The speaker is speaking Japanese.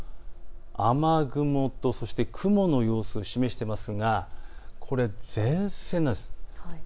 雨雲とそして雲の様子を示していますがこれは前線なんです。